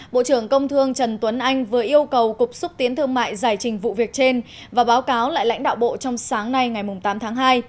bộ trưởng công thương trần tuấn anh vừa yêu cầu cục xúc tiến thương mại giải trình vụ việc trên và báo cáo lại lãnh đạo bộ trong sáng nay ngày tám tháng hai